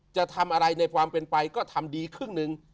จะทำอะไรในความเป็นไปก็ทำดีครึ่งหนึ่ง